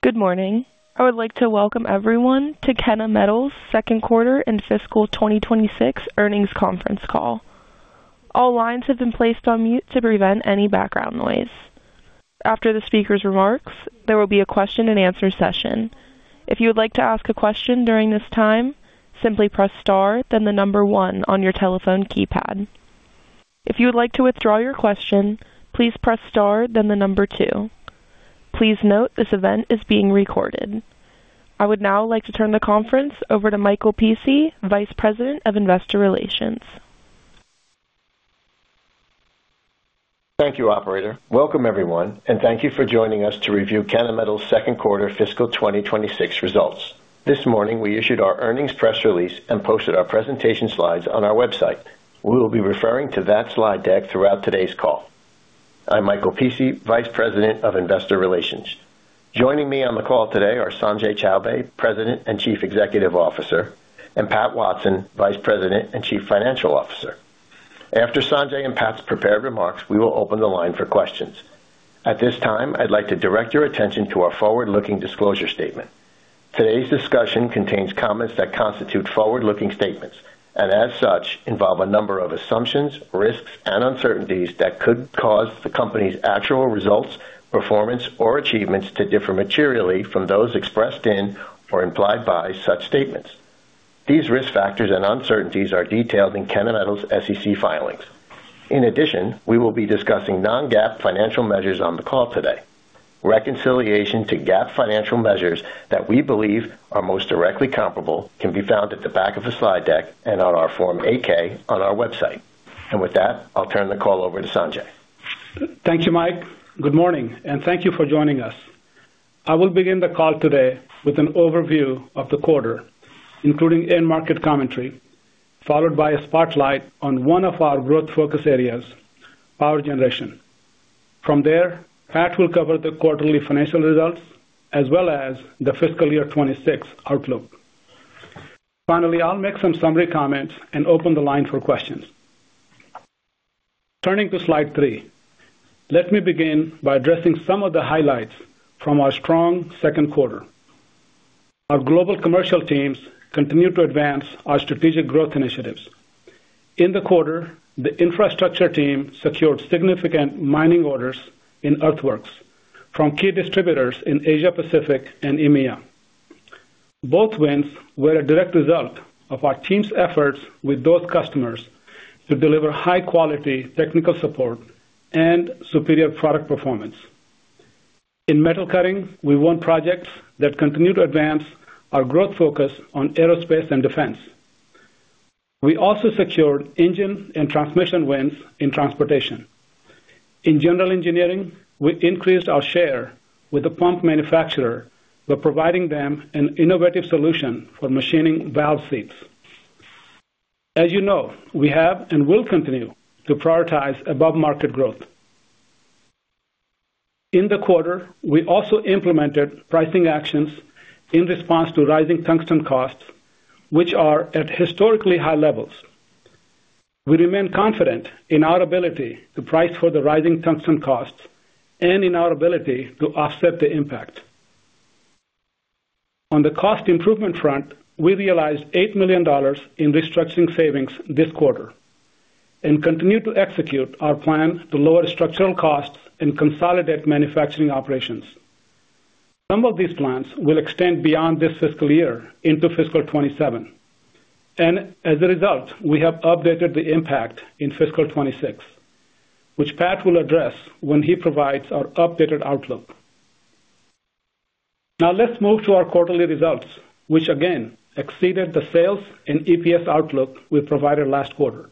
Good morning. I would like to welcome everyone to Kennametal's second quarter and fiscal 2026 earnings conference call. All lines have been placed on mute to prevent any background noise. After the speaker's remarks, there will be a question-and-answer session. If you would like to ask a question during this time, simply press *, then the number 1 on your telephone keypad. If you would like to withdraw your question, please press *, then the number 2. Please note, this event is being recorded. I would now like to turn the conference over to Michael Pici, Vice President of Investor Relations. Thank you, operator. Welcome, everyone, and thank you for joining us to review Kennametal's second quarter fiscal 2026 results. This morning, we issued our earnings press release and posted our presentation slides on our website. We will be referring to that slide deck throughout today's call. I'm Michael Pici, Vice President of Investor Relations. Joining me on the call today are Sanjay Chowbey, President and Chief Executive Officer, and Pat Watson, Vice President and Chief Financial Officer. After Sanjay and Pat's prepared remarks, we will open the line for questions. At this time, I'd like to direct your attention to our forward-looking disclosure statement. Today's discussion contains comments that constitute forward-looking statements and, as such, involve a number of assumptions, risks, and uncertainties that could cause the company's actual results, performance, or achievements to differ materially from those expressed in or implied by such statements. These risk factors and uncertainties are detailed in Kennametal's SEC filings. In addition, we will be discussing non-GAAP financial measures on the call today. Reconciliation to GAAP financial measures that we believe are most directly comparable can be found at the back of the slide deck and on our Form 8-K on our website. With that, I'll turn the call over to Sanjay. Thank you, Mike. Good morning and thank you for joining us. I will begin the call today with an overview of the quarter, including end market commentary, followed by a spotlight on one of our growth focus areas, power generation. From there, Pat will cover the quarterly financial results as well as the fiscal year 2026 outlook. Finally, I'll make some summary comments and open the line for questions. Turning to slide 3, let me begin by addressing some of the highlights from our strong second quarter. Our global commercial teams continued to advance our strategic growth initiatives. In the quarter, the infrastructure team secured significant mining orders in earthworks from key distributors in Asia-Pacific and EMEA. Both wins were a direct result of our team's efforts with those customers to deliver high-quality technical support and superior product performance. In Metal Cutting, we won projects that continued to advance our growth focus on Aerospace and Defense. We also secured engine and transmission wins in Transportation. In General Engineering, we increased our share with a pump manufacturer by providing them an innovative solution for machining valve seats. As you know, we have and will continue to prioritize above-market growth. In the quarter, we also implemented pricing actions in response to rising Tungsten costs, which are at historically high levels. We remain confident in our ability to price for the rising Tungsten costs and in our ability to offset the impact. On the cost improvement front, we realized $8 million in restructuring savings this quarter and continued to execute our plan to lower structural costs and consolidate manufacturing operations. Some of these plans will extend beyond this fiscal year into fiscal 2027, and as a result, we have updated the impact in fiscal 2026, which Pat will address when he provides our updated outlook. Now, let's move to our quarterly results, which again exceeded the sales and EPS outlook we provided last quarter.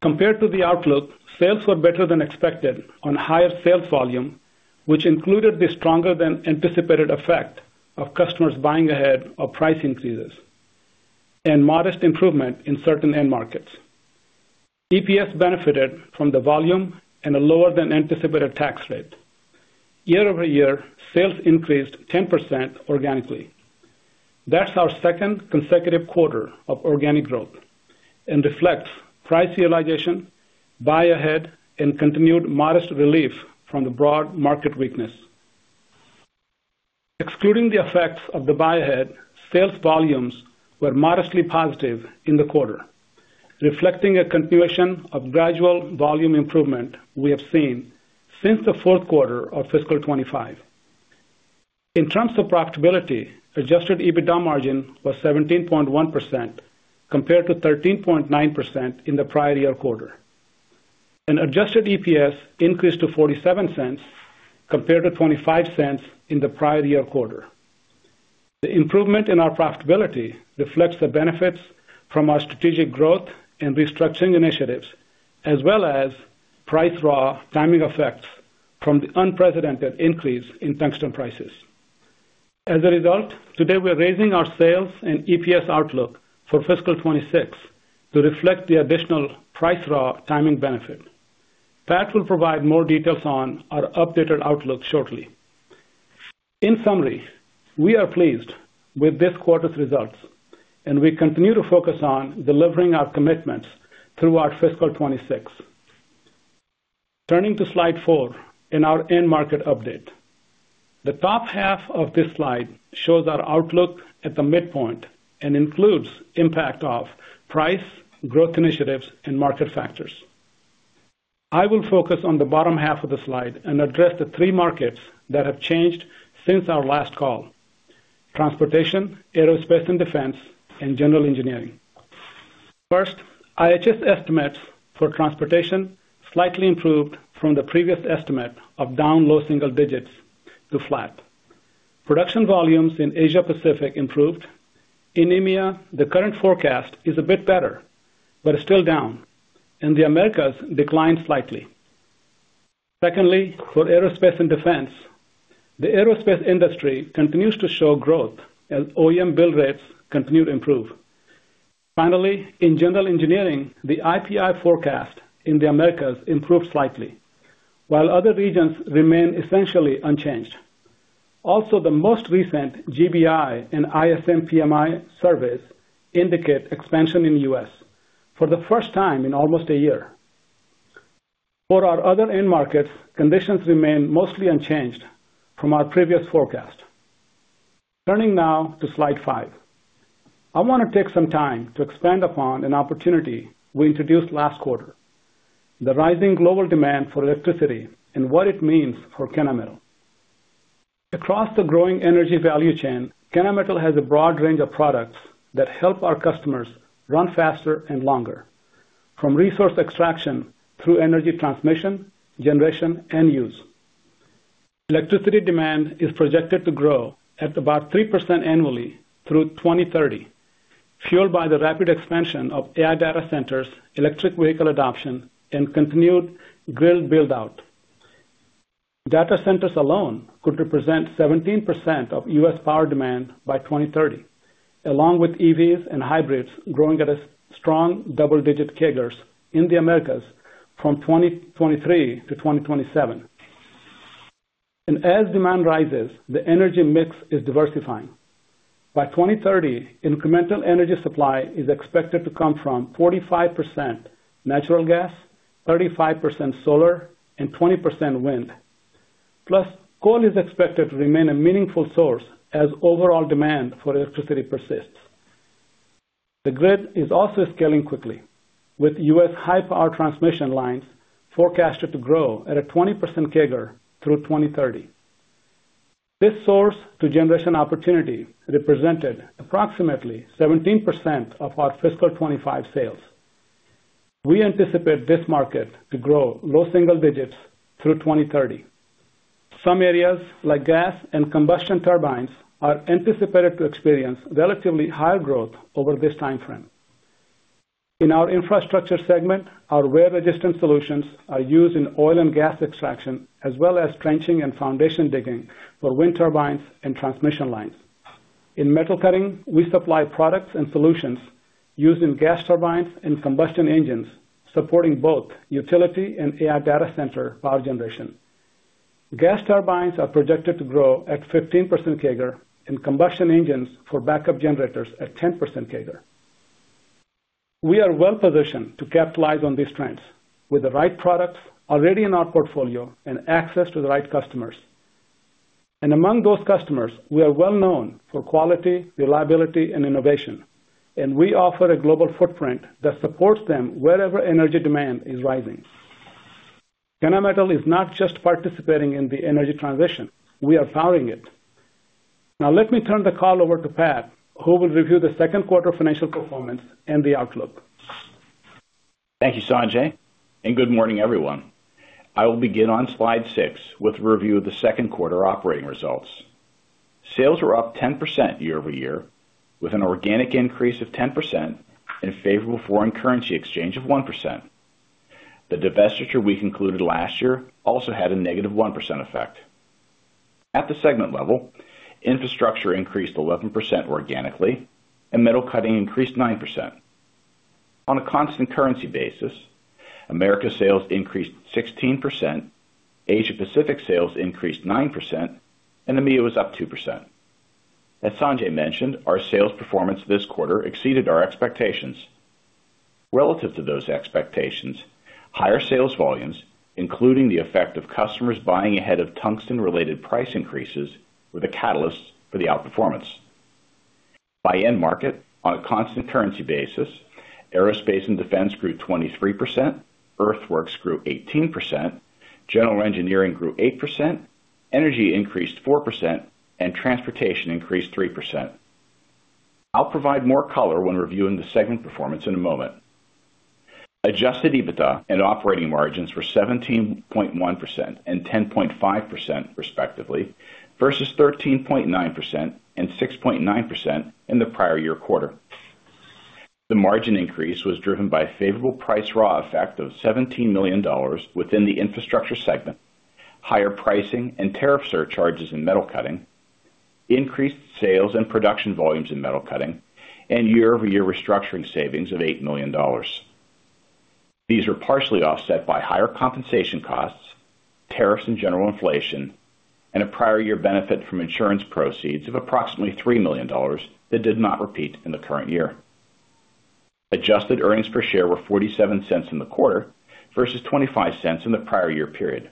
Compared to the outlook, sales were better than expected on higher sales volume, which included the stronger than anticipated effect of customers buying ahead of price increases and modest improvement in certain end markets. EPS benefited from the volume and a lower than anticipated tax rate. Year-over-year, sales increased 10% organically. That's our second consecutive quarter of organic growth and reflects price realization, buy-ahead, and continued modest relief from the broad market weakness. Excluding the effects of the buy ahead, sales volumes were modestly positive in the quarter, reflecting a continuation of gradual volume improvement we have seen since the fourth quarter of fiscal 2025. In terms of profitability, Adjusted EBITDA margin was 17.1%, compared to 13.9% in the prior year quarter. Adjusted EPS increased to $0.47, compared to $0.25 in the prior year quarter. The improvement in our profitability reflects the benefits from our strategic growth and restructuring initiatives, as well as price raw timing effects from the unprecedented increase in tungsten prices. As a result, today we are raising our sales and EPS outlook for fiscal 2026 to reflect the additional price raw timing benefit. Pat will provide more details on our updated outlook shortly. In summary, we are pleased with this quarter's results, and we continue to focus on delivering our commitments throughout fiscal 2026. Turning to slide 4 in our end market update. The top half of this slide shows our outlook at the midpoint and includes impact of price, growth initiatives, and market factors. I will focus on the bottom half of the slide and address the three markets that have changed since our last call: Transportation, Aerospace and Defense, and General Engineering. First, IHS estimates for Transportation slightly improved from the previous estimate of down low single digits to flat. Production volumes in Asia Pacific improved. In EMEA, the current forecast is a bit better, but it's still down, and the Americas declined slightly. Secondly, for Aerospace and Defense, the aerospace industry continues to show growth as OEM build rates continue to improve. Finally, in general engineering, the IPI forecast in the Americas improved slightly, while other regions remain essentially unchanged. Also, the most recent GBI and ISM PMI surveys indicate expansion in the U.S. for the first time in almost a year. For our other end markets, conditions remain mostly unchanged from our previous forecast. Turning now to slide 5. I want to take some time to expand upon an opportunity we introduced last quarter, the rising global demand for electricity and what it means for Kennametal. Across the growing energy value chain, Kennametal has a broad range of products that help our customers run faster and longer from resource extraction through energy transmission, generation, and use. Electricity demand is projected to grow at about 3% annually through 2030, fueled by the rapid expansion of AI data centers, electric vehicle adoption, and continued grid build-out. Data centers alone could represent 17% of U.S. power demand by 2030, along with EVs and hybrids growing at a strong double-digit CAGRs in the Americas from 2023 to 2027. As demand rises, the energy mix is diversifying. By 2030, incremental energy supply is expected to come from 45% natural gas, 35% solar, and 20% wind. Plus, coal is expected to remain a meaningful source as overall demand for electricity persists. The grid is also scaling quickly, with U.S. high power transmission lines forecasted to grow at a 20% CAGR through 2030. This source to generation opportunity represented approximately 17% of our fiscal 2025 sales. We anticipate this market to grow low single digits through 2030. Some areas, like gas and combustion turbines, are anticipated to experience relatively higher growth over this timeframe. In our infrastructure segment, our wear-resistant solutions are used in oil and gas extraction, as well as trenching and foundation digging for wind turbines and transmission lines. In metal cutting, we supply products and solutions used in gas turbines and combustion engines, supporting both utility and AI data center power generation. Gas turbines are projected to grow at 15% CAGR in combustion engines for backup generators at 10% CAGR. We are well positioned to capitalize on these trends with the right products already in our portfolio and access to the right customers. And among those customers, we are well known for quality, reliability, and innovation, and we offer a global footprint that supports them wherever energy demand is rising. Kennametal is not just participating in the energy transition; we are powering it. Now, let me turn the call over to Pat, who will review the second quarter financial performance and the outlook. Thank you, Sanjay, and good morning, everyone. I will begin on slide six with a review of the second quarter operating results. Sales were up 10% year-over-year, with an organic increase of 10% and a favorable foreign currency exchange of 1%. The divestiture we concluded last year also had a negative 1% effect. At the segment level, Infrastructure increased 11% organically, and Metal Cutting increased 9%. On a constant currency basis, Americas sales increased 16%, Asia-Pacific sales increased 9%, and EMEA was up 2%. As Sanjay mentioned, our sales performance this quarter exceeded our expectations. Relative to those expectations, higher sales volumes, including the effect of customers buying ahead of tungsten-related price increases, were the catalysts for the outperformance. By end market, on a constant currency basis, aerospace and defense grew 23%, earthworks grew 18%, general engineering grew 8%, energy increased 4%, and transportation increased 3%. I'll provide more color when reviewing the segment performance in a moment. Adjusted EBITDA and operating margins were 17.1% and 10.5%, respectively, versus 13.9% and 6.9% in the prior year quarter. The margin increase was driven by a favorable price raw effect of $17 million within the infrastructure segment, higher pricing and tariff surcharges in metal cutting, increased sales and production volumes in metal cutting, and year-over-year restructuring savings of $8 million. These were partially offset by higher compensation costs, tariffs and general inflation, and a prior year benefit from insurance proceeds of approximately $3 million that did not repeat in the current year. Adjusted earnings per share were $0.47 in the quarter, versus $0.25 in the prior year period.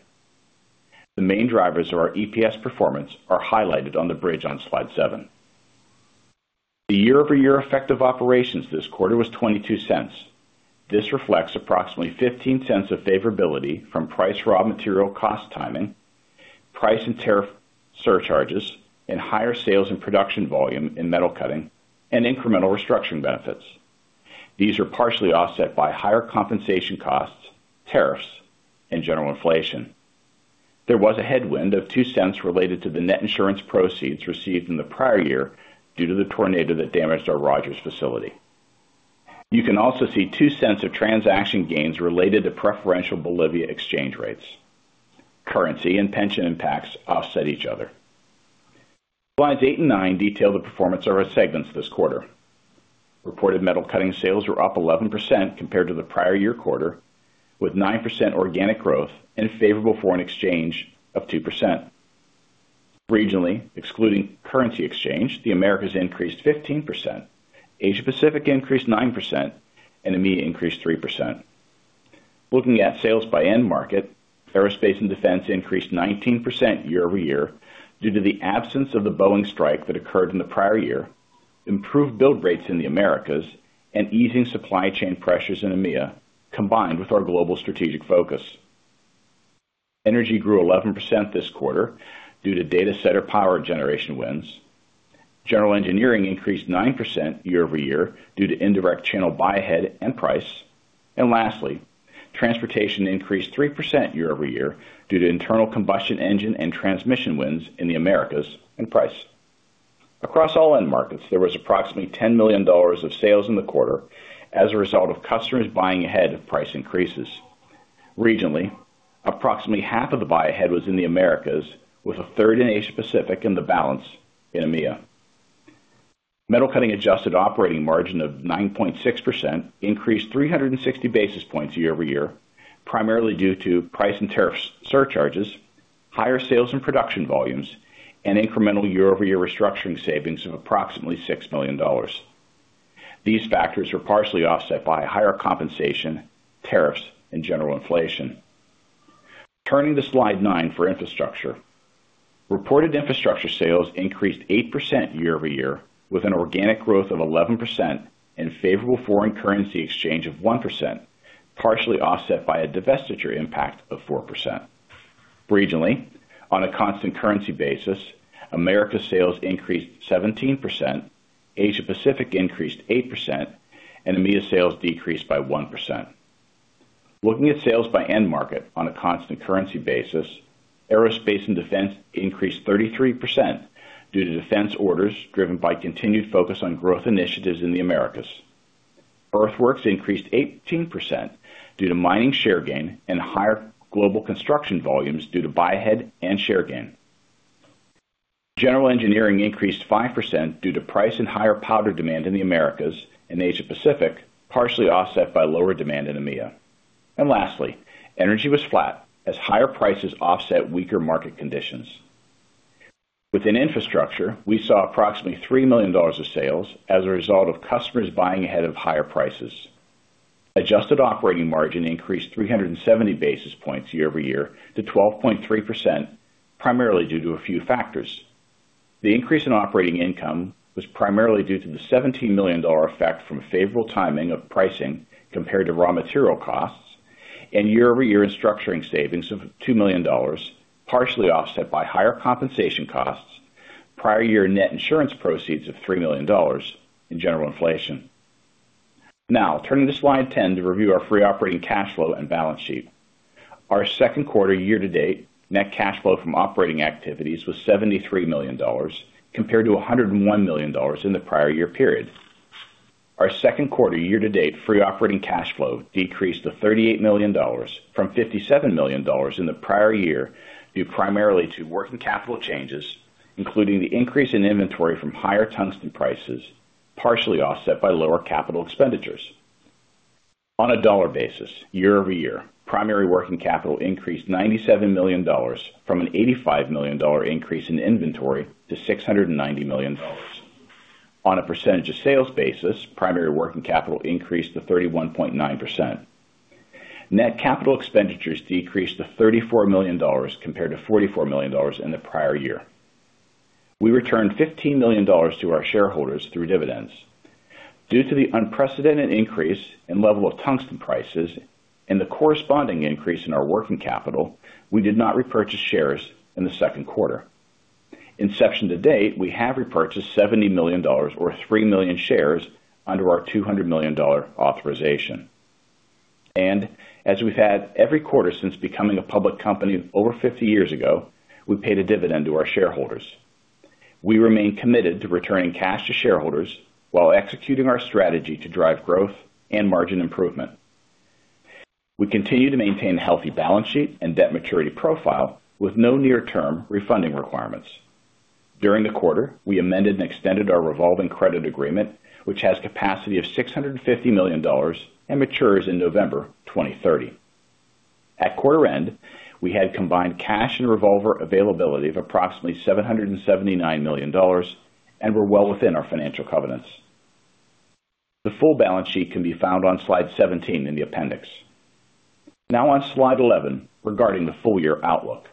The main drivers of our EPS performance are highlighted on the bridge on Slide 7. The year-over-year effect of operations this quarter was $0.22. This reflects approximately $0.15 of favorability from price raw material cost timing, price and tariff surcharges, and higher sales and production volume in Metal Cutting and incremental restructuring benefits. These are partially offset by higher compensation costs, tariffs, and general inflation. There was a headwind of $0.02 related to the net insurance proceeds received in the prior year due to the tornado that damaged our Rogers facility. You can also see $0.02 of transaction gains related to preferential Bolivia exchange rates. Currency and pension impacts offset each other. Slides 8 and 9 detail the performance of our segments this quarter. Reported metal cutting sales were up 11% compared to the prior year quarter, with 9% organic growth and a favorable foreign exchange of 2%. Regionally, excluding currency exchange, the Americas increased 15%, Asia Pacific increased 9%, and EMEA increased 3%. Looking at sales by end market, aerospace and defense increased 19% year-over-year due to the absence of the Boeing strike that occurred in the prior year, improved build rates in the Americas, and easing supply chain pressures in EMEA, combined with our global strategic focus. Energy grew 11% this quarter due to data center power generation wins. General Engineering increased 9% year-over-year due to indirect channel buy-ahead and price. And lastly, Transportation increased 3% year-over-year due to internal combustion engine and transmission wins in the Americas and price. Across all end markets, there was approximately $10 million of sales in the quarter as a result of customers buying ahead of price increases. Regionally, approximately half of the buy-ahead was in the Americas, with a third in Asia-Pacific and the balance in EMEA. Metal Cutting adjusted operating margin of 9.6% increased 360 basis points year-over-year, primarily due to price and tariffs surcharges, higher sales and production volumes, and incremental year-over-year restructuring savings of approximately $6 million. These factors were partially offset by higher compensation, tariffs, and general inflation. Turning to Slide 9 for Infrastructure. Reported Infrastructure sales increased 8% year-over-year, with an organic growth of 11% and favorable foreign currency exchange of 1%, partially offset by a divestiture impact of 4%. Regionally, on a constant currency basis, Americas sales increased 17%, Asia-Pacific increased 8%, and EMEA sales decreased by 1%. Looking at sales by end market on a constant currency basis, Aerospace and Defense increased 33% due to defense orders, driven by continued focus on growth initiatives in the Americas. Earthworks increased 18% due to mining share gain and higher global construction volumes due to buy-ahead and share gain. General Engineering increased 5% due to price and higher powder demand in the Americas and Asia-Pacific, partially offset by lower demand in EMEA. And lastly, Energy was flat as higher prices offset weaker market conditions. Within infrastructure, we saw approximately $3 million of sales as a result of customers buying ahead of higher prices. Adjusted operating margin increased 370 basis points year-over-year to 12.3%, primarily due to a few factors. The increase in operating income was primarily due to the $17 million effect from favorable timing of pricing compared to raw material costs, and year-over-year restructuring savings of $2 million, partially offset by higher compensation costs, prior year net insurance proceeds of $3 million, and general inflation. Now, turning to Slide 10 to review our free operating cash flow and balance sheet. Our second quarter year-to-date net cash flow from operating activities was $73 million, compared to $101 million in the prior year period. Our second quarter year-to-date Free Operating Cash Flow decreased to $38 million from $57 million in the prior year, due primarily to working capital changes, including the increase in inventory from higher tungsten prices, partially offset by lower capital expenditures. On a dollar basis, year-over-year, primary working capital increased $97 million from an $85 million dollar increase in inventory to $690 million. On a percentage of sales basis, primary working capital increased to 31.9%. Net capital expenditures decreased to $34 million, compared to $44 million in the prior year. We returned $15 million to our shareholders through dividends. Due to the unprecedented increase in level of tungsten prices and the corresponding increase in our working capital, we did not repurchase shares in the second quarter. Inception to date, we have repurchased $70 million or 3 million shares under our $200 million authorization. As we've had every quarter since becoming a public company over 50 years ago, we paid a dividend to our shareholders. We remain committed to returning cash to shareholders while executing our strategy to drive growth and margin improvement. We continue to maintain a healthy balance sheet and debt maturity profile with no near-term refunding requirements. During the quarter, we amended and extended our revolving credit agreement, which has capacity of $650 million and matures in November 2030. At quarter end, we had combined cash and revolver availability of approximately $779 million, and we're well within our financial covenants. The full balance sheet can be found on slide 17 in the appendix. Now on slide 11, regarding the full year outlook.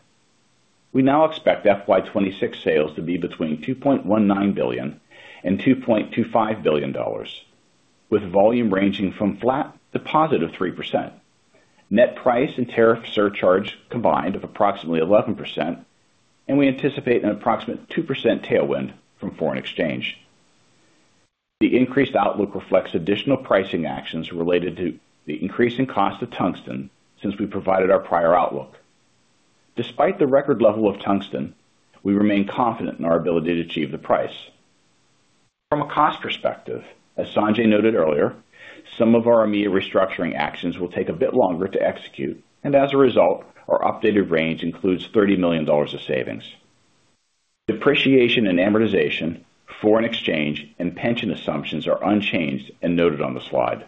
We now expect FY 2026 sales to be between $2.19 billion and $2.25 billion, with volume ranging from flat to +3%, and we anticipate an approximate 2% tailwind from foreign exchange. The increased outlook reflects additional pricing actions related to the increasing cost of tungsten since we provided our prior outlook. Despite the record level of tungsten, we remain confident in our ability to achieve the price. From a cost perspective, as Sanjay noted earlier, some of our immediate restructuring actions will take a bit longer to execute, and as a result, our updated range includes $30 million of savings. Depreciation and amortization, foreign exchange, and pension assumptions are unchanged and noted on the slide.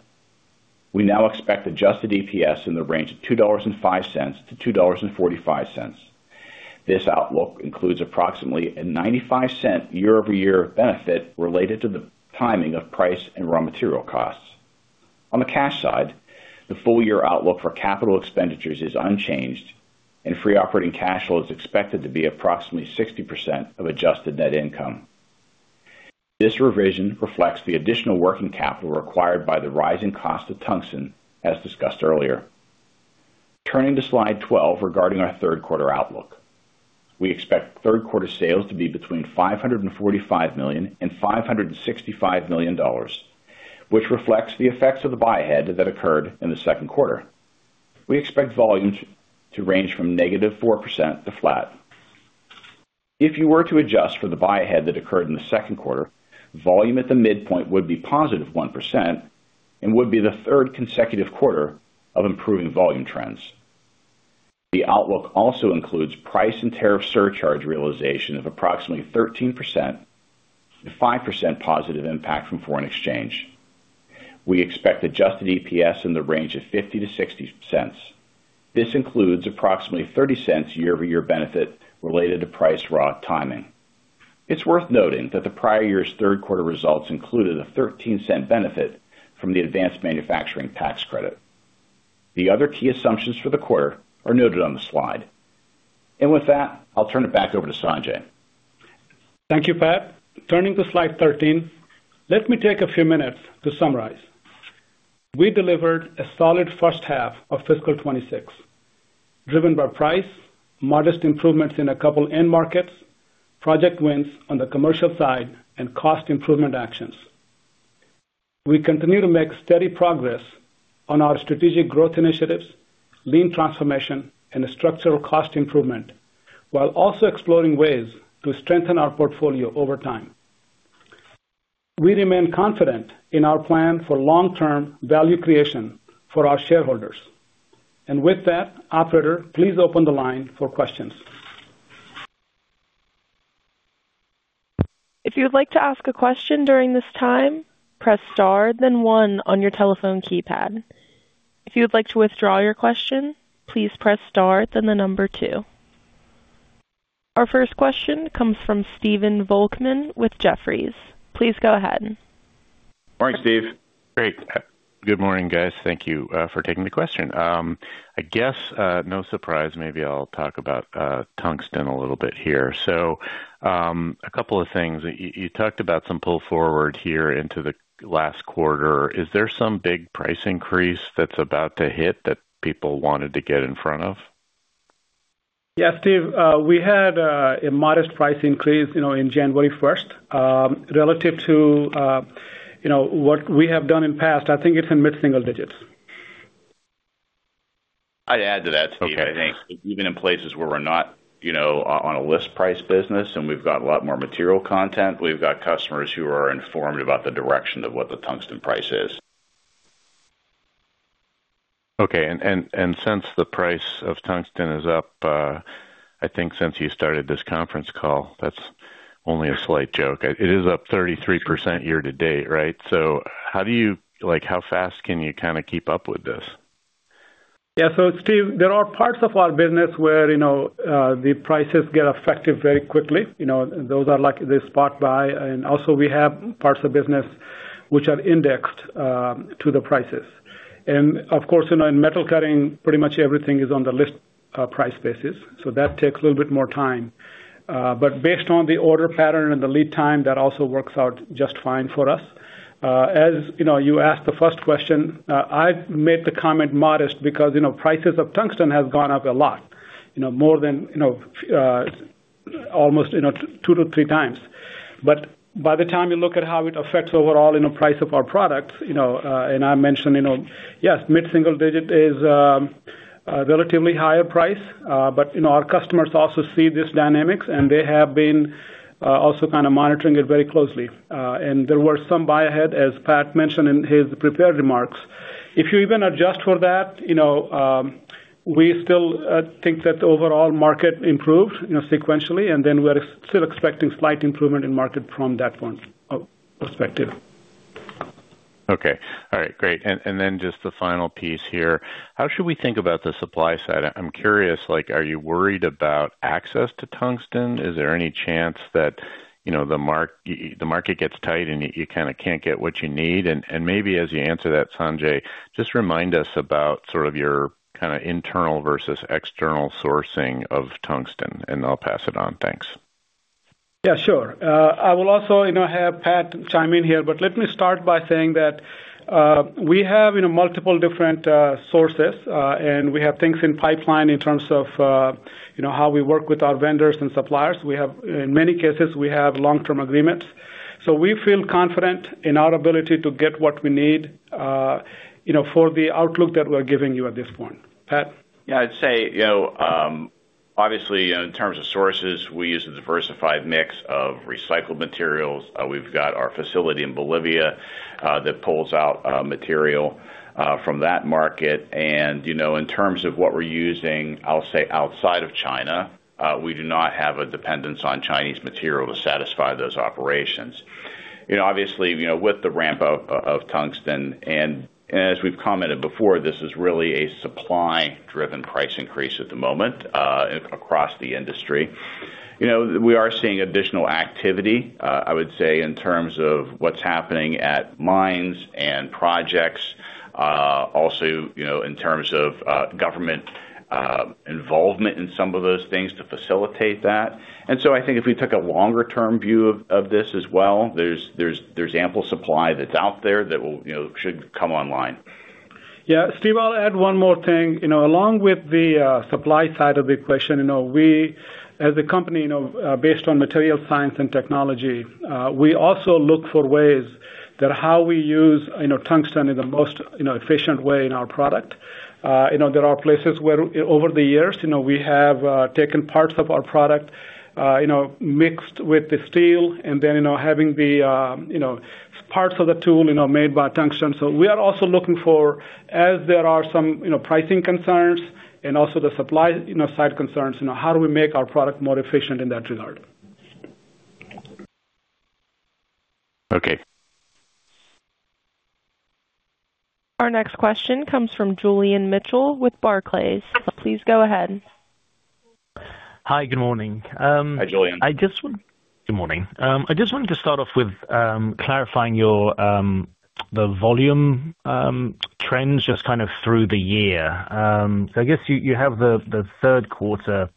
We now expect adjusted EPS in the range of $2.05-$2.45. This outlook includes approximately a $0.95 year-over-year benefit related to the timing of price and raw material costs. On the cash side, the full year outlook for capital expenditures is unchanged, and free operating cash flow is expected to be approximately 60% of adjusted net income. This revision reflects the additional working capital required by the rising cost of tungsten, as discussed earlier. Turning to slide 12 regarding our third quarter outlook. We expect third quarter sales to be between $545 million and $565 million, which reflects the effects of the buy-ahead that occurred in the second quarter. We expect volumes to range from -4% to flat. If you were to adjust for the buy-ahead that occurred in the second quarter, volume at the midpoint would be positive 1% and would be the third consecutive quarter of improving volume trends. The outlook also includes price and tariff surcharge realization of approximately 13% to 5% positive impact from foreign exchange. We expect adjusted EPS in the range of $0.50-$0.60. This includes approximately $0.30 year-over-year benefit related to price raw timing. It's worth noting that the prior year's third quarter results included a $0.13 benefit from the advanced manufacturing tax credit. The other key assumptions for the quarter are noted on the slide. With that, I'll turn it back over to Sanjay. Thank you, Pat. Turning to slide 13, let me take a few minutes to summarize. We delivered a solid first half of fiscal 2026, driven by price, modest improvements in a couple end markets, project wins on the commercial side, and cost improvement actions. We continue to make steady progress on our strategic growth initiatives, lean transformation, and structural cost improvement, while also exploring ways to strengthen our portfolio over time. We remain confident in our plan for long-term value creation for our shareholders. And with that, operator, please open the line for questions. If you would like to ask a question during this time, press *, then 1 on your telephone keypad. If you would like to withdraw your question, please press *, then the number 2. Our first question comes from Stephen Volkmann with Jefferies. Please go ahead. Morning, Steve. Great. Good morning, guys. Thank you for taking the question. I guess no surprise, maybe I'll talk about tungsten a little bit here. So, a couple of things. You talked about some pull forward here into the last quarter. Is there some big price increase that's about to hit that people wanted to get in front of? Yeah, Steve, we had a modest price increase, you know, in January first. Relative to, you know, what we have done in past, I think it's in mid-single digits. I'd add to that, Steve. Okay. I think even in places where we're not, you know, on a list price business, and we've got a lot more material content, we've got customers who are informed about the direction of what the tungsten price is. Okay. And since the price of tungsten is up, I think since you started this conference call, that's only a slight joke. It is up 33% year to date, right? So how do you... Like, how fast can you kinda keep up with this? Yeah. So, Steve, there are parts of our business where, you know, the prices get affected very quickly. You know, those are like the spot buy, and also, we have parts of business which are indexed to the prices. And of course, you know, in Metal Cutting, pretty much everything is on the list price basis, so that takes a little bit more time. But based on the order pattern and the lead time, that also works out just fine for us. As you know, you asked the first question, I made the comment modest because, you know, prices of tungsten have gone up a lot, you know, more than, you know, almost, you know, two to three times. But by the time you look at how it affects overall in the price of our products, you know, and I mentioned, you know, yes, mid-single digit is a relatively higher price, but, you know, our customers also see this dynamics, and they have been also kind of monitoring it very closely. And there was some buy-ahead, as Pat mentioned in his prepared remarks. If you even adjust for that, you know, we still think that the overall market improved, you know, sequentially, and then we're still expecting slight improvement in market from that point of perspective. ... Okay. All right, great. And, and then just the final piece here. How should we think about the supply side? I'm curious, like, are you worried about access to tungsten? Is there any chance that, you know, the market gets tight and you kind of can't get what you need? And, and maybe as you answer that, Sanjay, just remind us about sort of your kind of internal versus external sourcing of tungsten, and I'll pass it on. Thanks. Yeah, sure. I will also, you know, have Pat chime in here, but let me start by saying that, we have, you know, multiple different sources, and we have things in pipeline in terms of, you know, how we work with our vendors and suppliers. We have. In many cases, we have long-term agreements, so we feel confident in our ability to get what we need, you know, for the outlook that we're giving you at this point. Pat? Yeah, I'd say, you know, obviously, in terms of sources, we use a diversified mix of recycled materials. We've got our facility in Bolivia that pulls out material from that market. And, you know, in terms of what we're using, I'll say outside of China, we do not have a dependence on Chinese material to satisfy those operations. You know, obviously, you know, with the ramp up of tungsten, and as we've commented before, this is really a supply-driven price increase at the moment across the industry. You know, we are seeing additional activity, I would say, in terms of what's happening at mines and projects. Also, you know, in terms of government involvement in some of those things to facilitate that. And so, I think if we took a longer-term view of this as well, there's ample supply that's out there that will, you know, should come online. Yeah, Steve, I'll add one more thing. You know, along with the supply side of the equation, you know, we as a company, you know, based on material science and technology, we also look for ways that how we use, you know, tungsten in the most, you know, efficient way in our product. You know, there are places where over the years, you know, we have taken parts of our product, you know, mixed with the steel, and then, you know, having the parts of the tool, you know, made by tungsten. So, we are also looking for, as there are some, you know, pricing concerns and also the supply, you know, side concerns, you know, how do we make our product more efficient in that regard? Okay. Our next question comes from Julian Mitchell with Barclays. Please go ahead. Hi, good morning. Hi, Julian. Good morning. I just wanted to start off with clarifying your, the volume trends, just kind of through the year. So, I guess you, you have the, the third quarter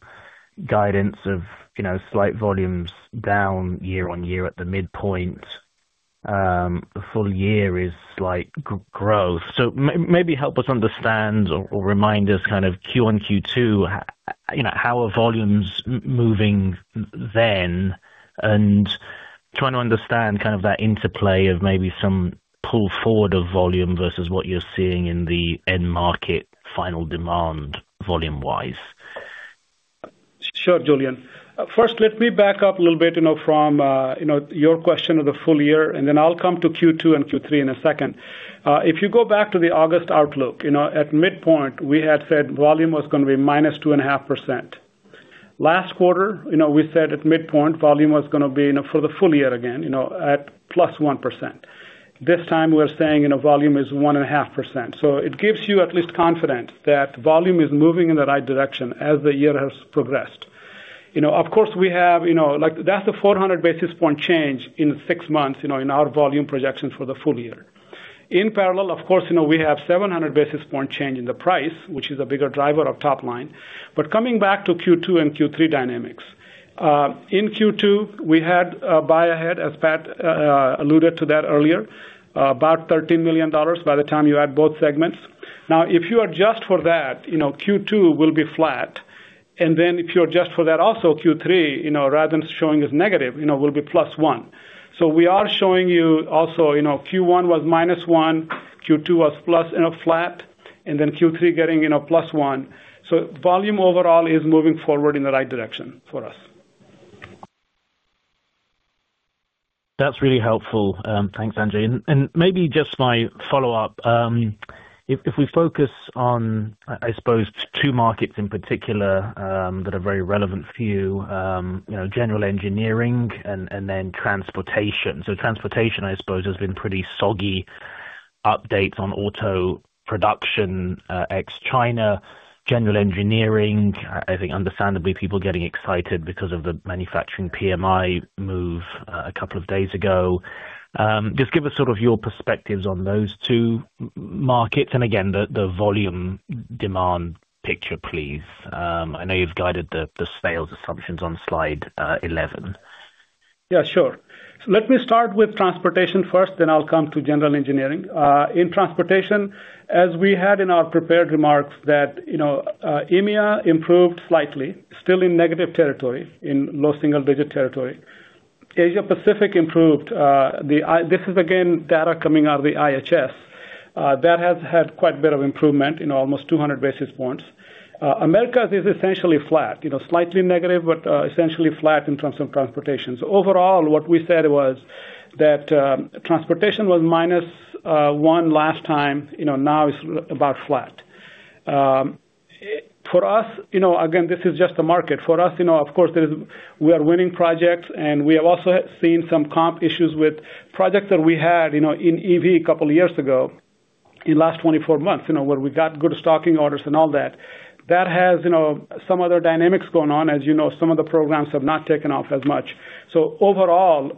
guidance of, you know, slight volumes down year-over-year at the midpoint. Full year is slight growth. So, maybe help us understand or, or remind us of kind of Q1, Q2, you know, how are volumes moving then? And trying to understand kind of that interplay of maybe some pull forward of volume versus what you're seeing in the end market, final demand, volume-wise. Sure, Julian. First, let me back up a little bit, you know, from, you know, your question of the full year, and then I'll come to Q2 and Q3 in a second. If you go back to the August outlook, you know, at midpoint, we had said volume was gonna be -2.5%. Last quarter, you know, we said at midpoint, volume was gonna be, you know, for the full year again, you know, at +1%. This time we're saying, you know, volume is 1.5%. So, it gives you at least confidence that volume is moving in the right direction as the year has progressed. You know, of course, we have, you know, like, that's a 400-basis point change in 6 months, you know, in our volume projections for the full year. In parallel, of course, you know, we have 700 basis point change in the price, which is a bigger driver of top line. But coming back to Q2 and Q3 dynamics. In Q2, we had a buy-ahead, as Pat alluded to that earlier, about $13 million by the time you add both segments. Now, if you adjust for that, you know, Q2 will be flat, and then if you adjust for that, also Q3, you know, rather than showing as negative, you know, will be plus 1. So, we are showing you also, you know, Q1 was minus 1, Q2 was plus in a flat, and then Q3 getting, you know, plus 1. So, volume overall is moving forward in the right direction for us. That's really helpful. Thanks, Sanjay. And maybe just my follow-up. If we focus on, I suppose two markets in particular, that are very relevant for you, you know, general engineering and then transportation. So, transportation I suppose has been pretty soggy. Updates on auto production, ex China, general engineering, I think understandably, people getting excited because of the manufacturing PMI move, a couple of days ago. Just give us sort of your perspectives on those two markets and again, the volume demand picture, please. I know you've guided the sales assumptions on slide 11. Yeah, sure. So let me start with transportation first, then I'll come to general engineering. In transportation, as we had in our prepared remarks that, you know, EMEA improved slightly, still in negative territory, in low single digit territory. Asia Pacific improved, the IHS—this is again, data coming out of the IHS. That has had quite a bit of improvement, in almost 200 basis points. Americas is essentially flat, you know, slightly negative, but, essentially flat in terms of transportation. So overall, what we said was that transportation was minus one last time, you know, now it's about flat. For us, you know, again, this is just a market. For us, you know, of course, there's we are winning projects, and we have also seen some comp issues with projects that we had, you know, in EV a couple of years ago, in last 24 months, you know, where we got good stocking orders and all that. That has, you know, some other dynamics going on. As you know, some of the programs have not taken off as much. So overall,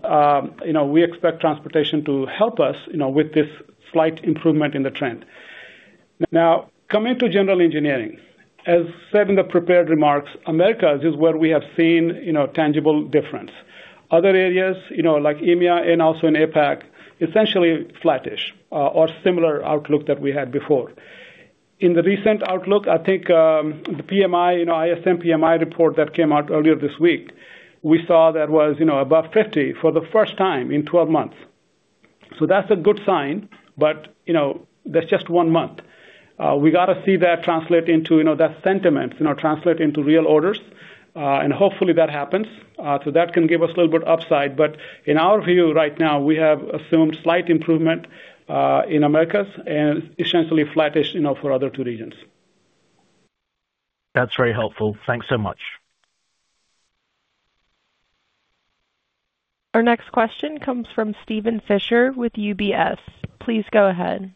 you know, we expect transportation to help us, you know, with this slight improvement in the trend. Now, coming to general engineering, as said in the prepared remarks, Americas is where we have seen, you know, tangible difference. Other areas, you know, like EMEA and also in APAC, essentially flattish, or similar outlook that we had before. In the recent outlook, I think, the PMI, you know, ISM PMI report that came out earlier this week, we saw that was, you know, above 50 for the first time in 12 months. So that's a good sign, but, you know, that's just one month. We got to see that translate into, you know, that sentiment, you know, translate into real orders, and hopefully, that happens. So that can give us a little bit upside, but in our view, right now, we have assumed slight improvement, in Americas and essentially flattish, you know, for other two regions. That's very helpful. Thanks so much. Our next question comes from Steven Fisher with UBS. Please go ahead.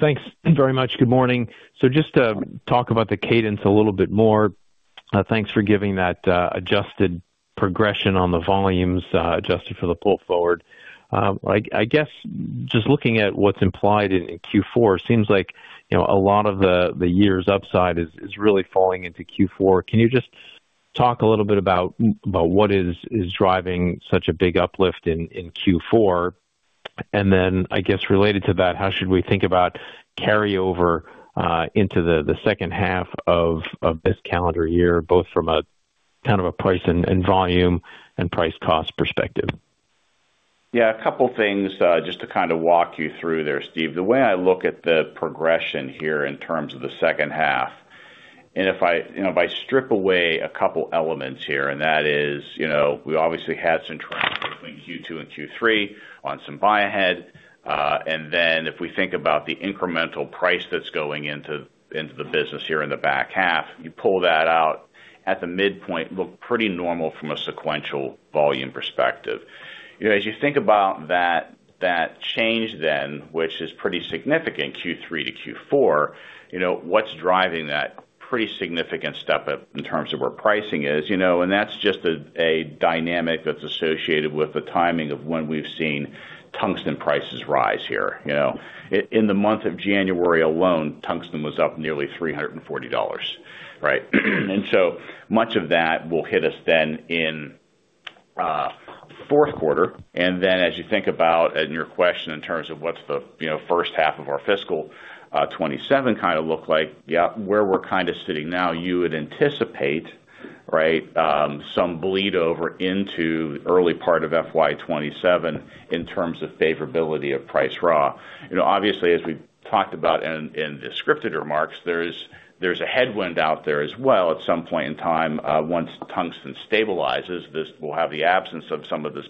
Thanks very much. Good morning. So just to talk about the cadence a little bit more, thanks for giving that adjusted progression on the volumes, adjusted for the pull forward. I guess, just looking at what's implied in Q4, seems like, you know, a lot of the year's upside is really falling into Q4. Can you just talk a little bit about what is driving such a big uplift in Q4? And then, I guess, related to that, how should we think about carryover into the second half of this calendar year, both from a kind of a price and volume and price cost perspective? Yeah, a couple things, just to kind of walk you through there, Steve. The way I look at the progression here in terms of the second half, and if I strip away a couple elements here, and that is, you know, we obviously had some trends between Q2 and Q3 on some buy- ahead. And then if we think about the incremental price that's going into, into the business here in the back half, you pull that out at the midpoint, look pretty normal from a sequential volume perspective. You know, as you think about that, that change then, which is pretty significant, Q3 to Q4, you know, what's driving that pretty significant step up in terms of where pricing is? You know, and that's just a, a dynamic that's associated with the timing of when we've seen tungsten prices rise here, you know. In the month of January alone, tungsten was up nearly $340, right? And so much of that will hit us then in fourth quarter. And then, as you think about, in your question, in terms of what's the, you know, first half of our fiscal 2027 kind of look like, yeah, where we're kind of sitting now, you would anticipate, right, some bleed over into early part of FY 2027 in terms of favorability of Price Raw. You know, obviously, as we've talked about in the scripted remarks, there's a headwind out there as well. At some point in time, once tungsten stabilizes, this will have the absence of some of this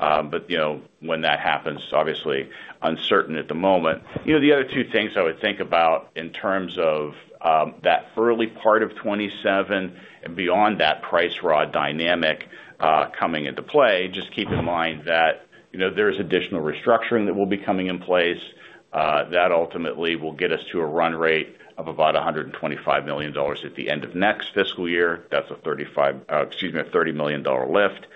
benefit, but, you know, when that happens, obviously uncertain at the moment. You know, the other two things I would think about in terms of that early part of 2027 and beyond that price raw dynamic coming into play, just keep in mind that, you know, there's additional restructuring that will be coming in place that ultimately will get us to a run rate of about $125 million at the end of next fiscal year. That's a $35 million, excuse me, a $30 million lift.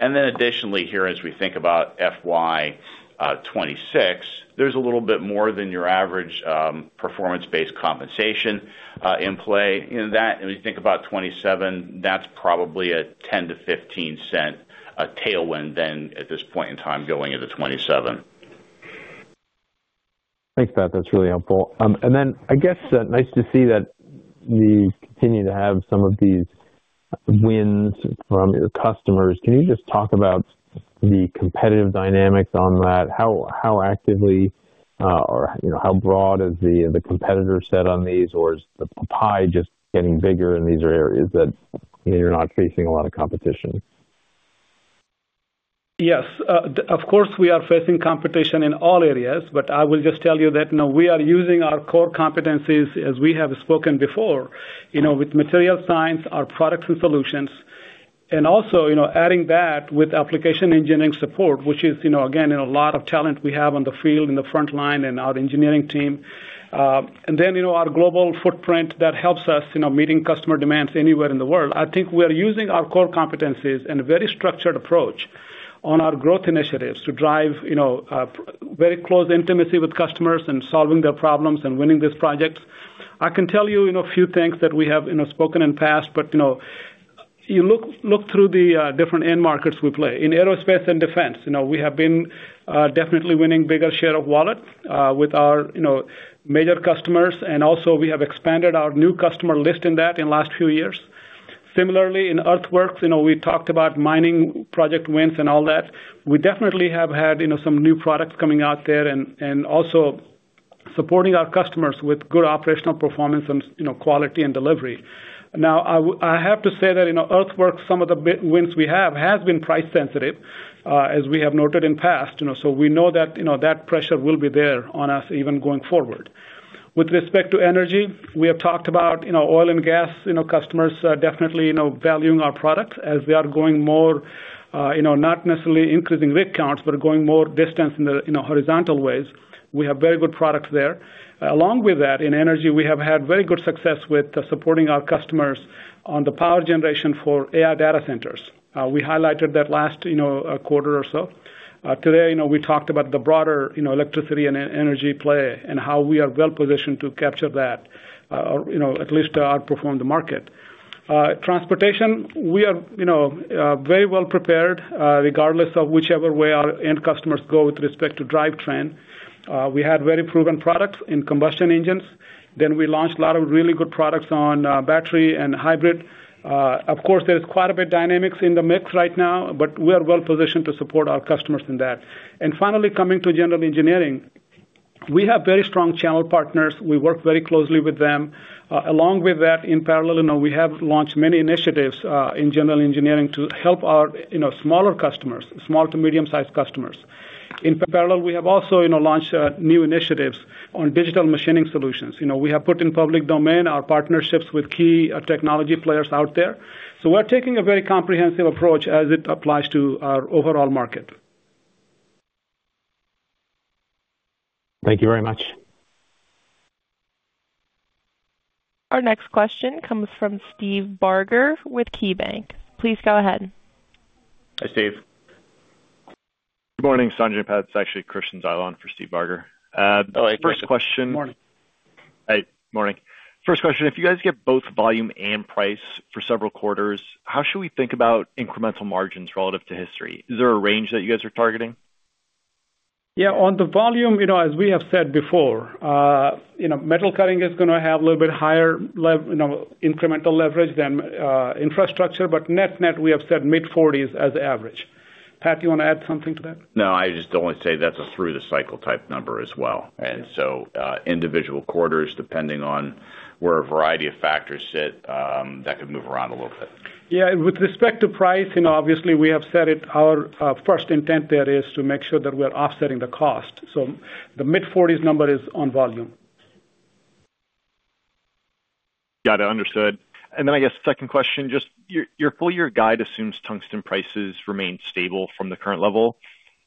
And then additionally, here, as we think about FY 2026, there's a little bit more than your average performance-based compensation in play. You know, that, when you think about 2027, that's probably a $0.10-$0.15 tailwind then at this point in time, going into 2027. Thanks, Pat. That's really helpful. And then I guess nice to see that you continue to have some of these wins from your customers. Can you just talk about the competitive dynamics on that? How actively or you know, how broad is the competitor set on these? Or is the pie just getting bigger and these are areas that, you know, you're not facing a lot of competition? Yes, of course, we are facing competition in all areas, but I will just tell you that, you know, we are using our core competencies, as we have spoken before, you know, with material science, our products and solutions, and also, you know, adding that with application engineering support, which is, you know, again, in a lot of talent we have on the field, in the frontline and our engineering team. And then, you know, our global footprint, that helps us, you know, meeting customer demands anywhere in the world. I think we are using our core competencies and a very structured approach on our growth initiatives to drive, you know, very close intimacy with customers and solving their problems and winning these projects. I can tell you, you know, a few things that we have, you know, spoken in past, but, you know, you look through the different end markets we play. In aerospace and defense, you know, we have been definitely winning bigger share of wallet with our, you know, major customers, and also we have expanded our new customer list in that in last few years. Similarly, in earthworks, you know, we talked about mining, project wins and all that. We definitely have had, you know, some new products coming out there and also supporting our customers with good operational performance and, you know, quality and delivery. Now, I have to say that, you know, earthworks, some of the big wins we have, has been price sensitive, as we have noted in past, you know, so we know that, you know, that pressure will be there on us even going forward. With respect to energy, we have talked about, you know, oil and gas, you know, customers are definitely, you know, valuing our products as we are going more, you know, not necessarily increasing rig counts, but going more distance in the, you know, horizontal ways. We have very good products there. Along with that, in energy, we have had very good success with supporting our customers on the power generation for AI data centers. We highlighted that last, you know, quarter or so. Today, you know, we talked about the broader, you know, electricity and energy play and how we are well positioned to capture that, you know, at least to outperform the market. Transportation, we are, you know, very well prepared, regardless of whichever way our end customers go with respect to drivetrain. We had very proven products in combustion engines. Then we launched a lot of really good products on battery and hybrid. Of course, there is quite a bit of dynamics in the mix right now, but we are well positioned to support our customers in that. And finally, coming to general engineering, we have very strong channel partners. We work very closely with them. Along with that, in parallel, you know, we have launched many initiatives in General Engineering to help our, you know, smaller customers, small to medium-sized customers. In parallel, we have also, you know, launched new initiatives on digital machining solutions. You know, we have put in public domain our partnerships with key technology players out there. So we're taking a very comprehensive approach as it applies to our overall market. Thank you very much. Our next question comes from Steve Barger with KeyBank. Please go ahead. Hi, Steve. Good morning, Sanjay and Pat. It's actually Christian Zylstra for Steve Barger. Hi, Christian. First question- Morning. Hi. Morning. First question: If you guys get both volume and price for several quarters, how should we think about incremental margins relative to history? Is there a range that you guys are targeting? Yeah, on the volume, you know, as we have said before, you know, Metal Cutting is gonna have a little bit higher incremental leverage than Infrastructure, but net-net, we have said mid-forties as average. Pat, you want to add something to that. No, I just only say that's a through-the-cycle type number as well. So, individual quarters, depending on where a variety of factors sit, that could move around a little bit. Yeah, with respect to price, you know, obviously, we have said it, our first intent there is to make sure that we're offsetting the cost. So the mid-40s number is on volume. Got it. Understood. And then I guess second question, just your full year guide assumes tungsten prices remain stable from the current level.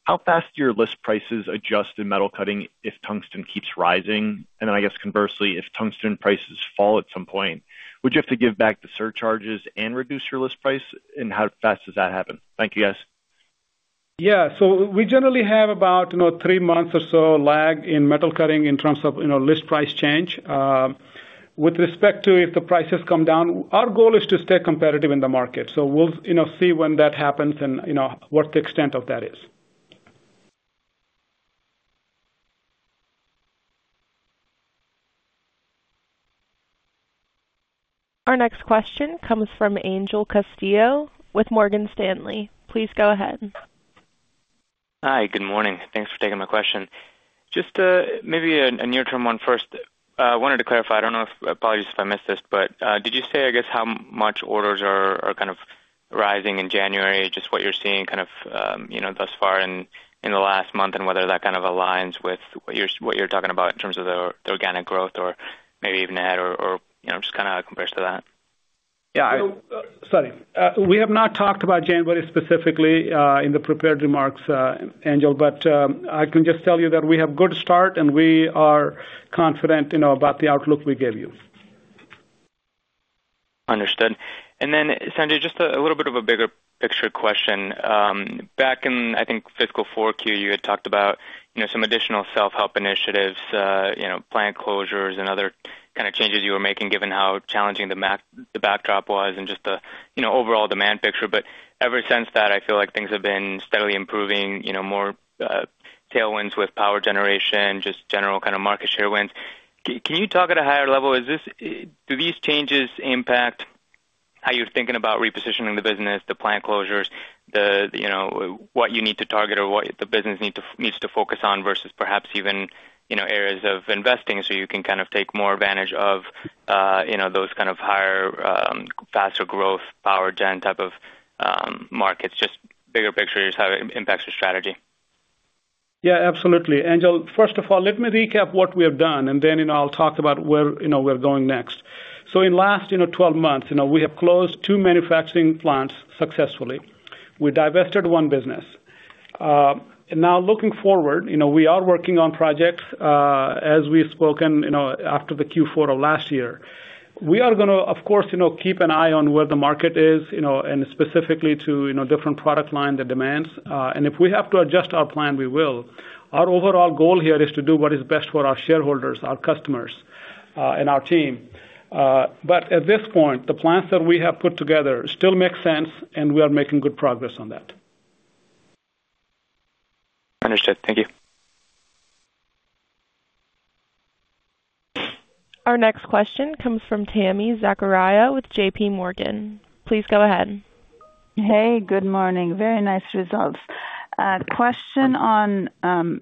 How fast do your list prices adjust in Metal Cutting if tungsten keeps rising? And then I guess conversely, if tungsten prices fall at some point, would you have to give back the surcharges and reduce your list price? And how fast does that happen? Thank you, guys. Yeah, so we generally have about, you know, three months or so lag in metal cutting in terms of, you know, list price change. With respect to if the prices come down, our goal is to stay competitive in the market. So we'll, you know, see when that happens and, you know, what the extent of that is. Our next question comes from Angel Castillo with Morgan Stanley Please go ahead. Hi, good morning. Thanks for taking my question. Just, maybe a near-term one first. Wanted to clarify, I don't know if... apologies if I missed this, but, did you say, I guess, how much orders are kind of rising in January, just what you're seeing kind of, you know, thus far in the last month, and whether that kind of aligns with what you're talking about in terms of the organic growth or maybe even ahead or, you know, just kind of compares to that? Yeah. Sorry. We have not talked about January specifically in the prepared remarks, Angel, but I can just tell you that we have good start, and we are confident, you know, about the outlook we gave you. Understood. And then, Sanjay, just a little bit of a bigger picture question. Back in, I think, fiscal 4Q, you had talked about, you know, some additional self-help initiatives, you know, plant closures and other kind of changes you were making, given how challenging the macro backdrop was and just the, you know, overall demand picture. But ever since that, I feel like things have been steadily improving, you know, more tailwinds with power generation, just general kind of market share wins. Can you talk at a higher level, is this do these changes impact how you're thinking about repositioning the business, the plant closures, the, you know, what you need to target or what the business needs to focus on versus perhaps even, you know, areas of investing, so you can kind of take more advantage of, you know, those kind of higher, faster growth, power gen type of, markets? Just bigger picture, just how it impacts your strategy. Yeah, absolutely. Angel, first of all, let me recap what we have done, and then, you know, I'll talk about where, you know, we're going next. So, in last 12 months, you know, we have closed two manufacturing plants successfully. We divested one business. Now, looking forward, you know, we are working on projects, as we've spoken, you know, after the Q4 of last year. We are gonna, of course, you know, keep an eye on where the market is, you know, and specifically to, you know, different product line, the demands. And if we have to adjust our plan, we will. Our overall goal here is to do what is best for our shareholders, our customers, and our team. But at this point, the plans that we have put together still make sense, and we are making good progress on that. Understood. Thank you. Our next question comes from Tami Zakaria with JP Morgan. Please go ahead. Hey, good morning. Very nice results. Question on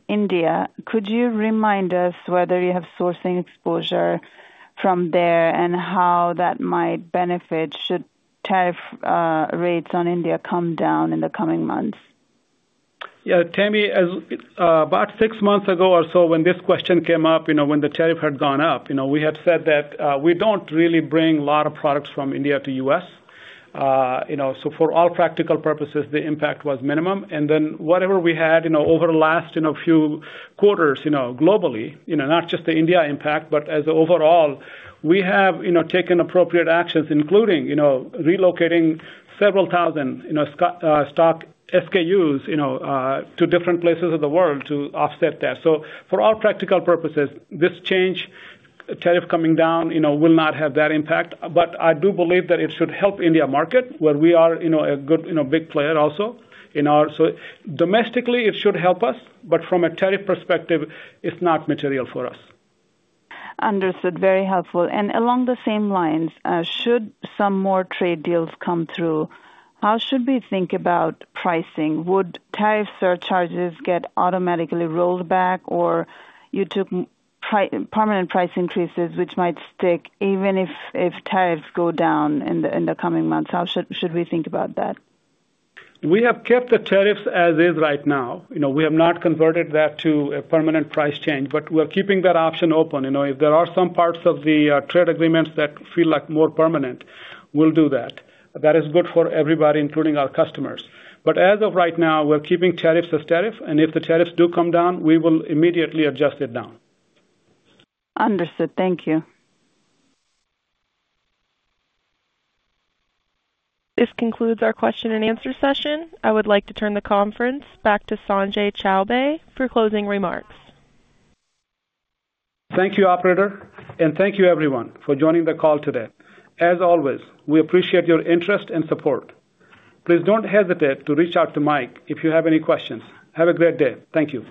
India. Could you remind us whether you have sourcing exposure from there and how that might benefit should tariff rates on India come down in the coming months? Yeah, Tammy, as about six months ago or so, when this question came up, you know, when the tariff had gone up, you know, we have said that we don't really bring a lot of products from India to US. You know, so for all practical purposes, the impact was minimum. And then whatever we had, you know, over the last, you know, few quarters, you know, globally, you know, not just the India impact, but overall, we have, you know, taken appropriate actions, including, you know, relocating several thousand stock SKUs, you know, to different places of the world to offset that. So, for all practical purposes, this change, tariff coming down, you know, will not have that impact. But I do believe that it should help India market, where we are, you know, a good, you know, big player also, you know. So domestically, it should help us, but from a tariff perspective, it's not material for us. Understood. Very helpful. And along the same lines, should some more trade deals come through, how should we think about pricing? Would tariff surcharges get automatically rolled back or you took permanent price increases, which might stick even if tariffs go down in the coming months? How should we think about that? We have kept the tariffs as is right now. You know, we have not converted that to a permanent price change, but we're keeping that option open. You know, if there are some parts of the, trade agreements that feel like more permanent, we'll do that. That is good for everybody, including our customers. But as of right now, we're keeping tariffs as tariff, and if the tariffs do come down, we will immediately adjust it down. Understood. Thank you. This concludes our question and answer session. I would like to turn the conference back to Sanjay Chowbey for closing remarks. Thank you, operator, and thank you everyone for joining the call today. As always, we appreciate your interest and support. Please don't hesitate to reach out to Mike if you have any questions. Have a great day. Thank you.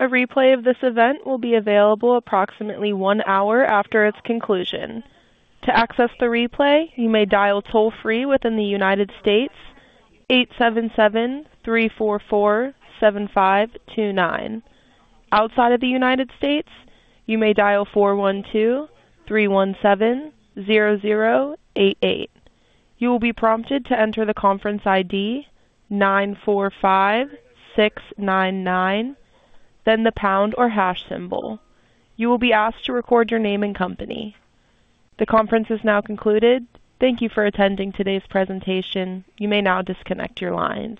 A replay of this event will be available approximately one hour after its conclusion. To access the replay, you may dial toll-free within the United States, 877-344-7529. Outside of the United States, you may dial 412-317-0088. You will be prompted to enter the conference ID 945699, then the pound or hash symbol. You will be asked to record your name and company. The conference is now concluded. Thank you for attending today's presentation. You may now disconnect your line.